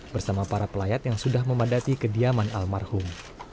bersama para pelayat yang sudah memadati kediaman almarhum